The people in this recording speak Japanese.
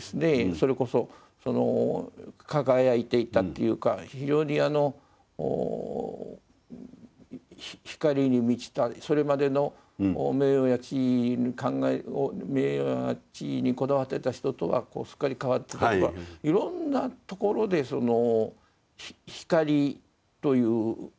それこそその輝いていたっていうか非常にあの光に満ちたそれまでの名誉や地位にこだわってた人とはすっかり変わってたとかいろんなところでその光という世界